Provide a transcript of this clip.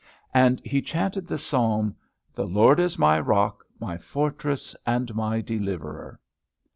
And he chanted the psalm, "The Lord is my rock, my fortress, and my deliverer."